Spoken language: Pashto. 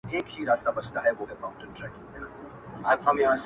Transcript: • دا څه سوز یې دی اواز کی څه شرنگی یې دی په ساز کی -